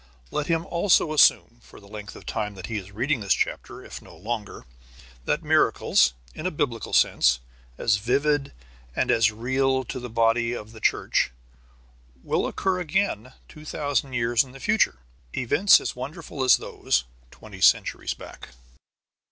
Let him also assume, for the length of time that he is reading this chapter if no longer, that miracles, in a Biblical sense, as vivid and as real to the body of the Church, will again occur two thousand years in the future: events as wonderful as those others, twenty centuries back.